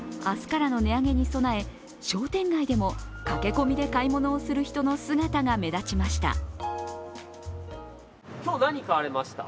明日からの値上げに備え商店街でも駆け込みで買い物をする人の姿が目立ちました。